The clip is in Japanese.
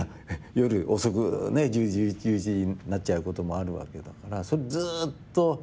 夜遅く１０時１１時になっちゃうこともあるわけだから。